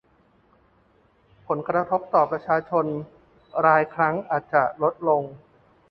ผลกระทบต่อประชาชนรายครั้งอาจลดลง